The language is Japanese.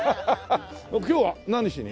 今日は何しに？